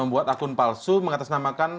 membuat akun palsu mengatasnamakan